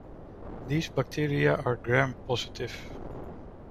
These bacteria are Gram-positive.